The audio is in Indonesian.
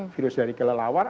virus dari kelelawar